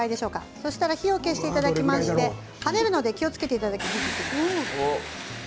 そうしたら火を消していただきましてはねるので気をつけてください。